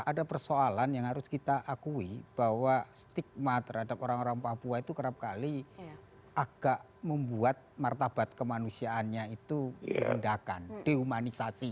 ada persoalan yang harus kita akui bahwa stigma terhadap orang orang papua itu kerap kali agak membuat martabat kemanusiaannya itu direndahkan deummanisasi